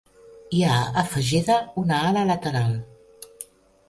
Hi ha afegida una ala lateral.